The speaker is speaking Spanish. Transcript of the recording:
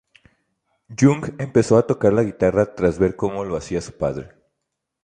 Jung Empezó a tocar la guitarra tras ver como lo hacía su padre.